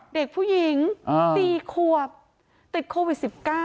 เด็กผู้หญิง๔ขวบติดโควิด๑๙